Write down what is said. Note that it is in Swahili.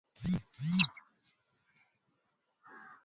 Nambari ya saba ilichukuliwa na msichana.